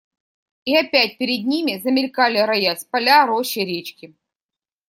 И опять перед ними замелькали, роясь, поля, рощи, речки.